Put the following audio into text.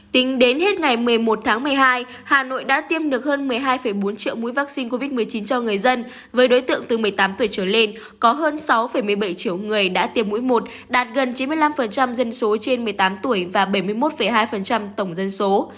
tính đến hết ngày một mươi một tháng một mươi hai hà nội đã tiêm được hơn một mươi hai bốn triệu mũi vaccine covid một mươi chín cho người dân với đối tượng từ một mươi tám tuổi trở lên có hơn sáu một mươi bảy triệu người đã tiêm mũi một đạt gần chín mươi năm dân số trên một mươi tám tuổi và bảy mươi một hai tổng dân số